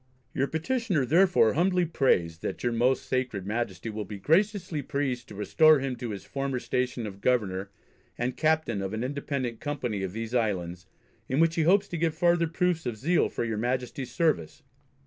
Your Petitioner therefore humbly prays that your most sacred Majesty would be graciously pleased to restore him to his former station of Governor, and Captain of an independent Company of these Islands, in which he hopes to give farther proofs of zeal for your Majesty's service.